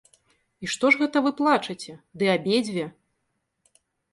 І што ж гэта вы плачаце, ды абедзве?